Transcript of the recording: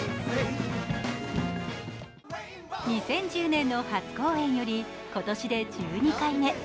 ２０１０年の初公演より今年で１２回目。